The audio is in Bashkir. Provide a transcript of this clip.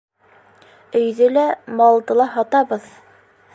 Өйҙө лә, малды ла һатабыҙ!